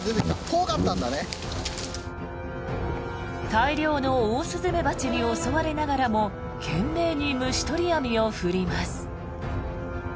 大量のオオスズメバチに襲われながらも懸命に虫取り網を振ります。